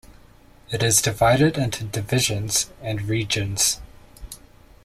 It is divided into divisions and regions.